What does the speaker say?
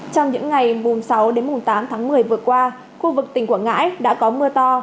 trong những ngày sáu tám tháng một mươi vừa qua khu vực tỉnh quảng ngãi đã có mưa to